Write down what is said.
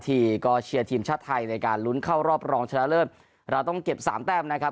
ที่ก็เชียร์ทีมช่าไทยในการลุ้นเข้าร้องฉลาดเรื่องเราต้องเก็บสามแตบนะครับ